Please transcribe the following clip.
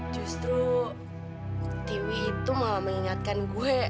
justru tiwi itu malah mengingatkan gue